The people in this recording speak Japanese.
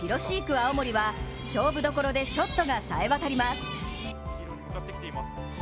青森は勝負どころでショットがさえ渡ります。